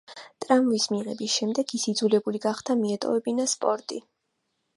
ტრამვის მიღების შემდეგ ის იძულებული გახდა მიეტოვებინა სპორტი.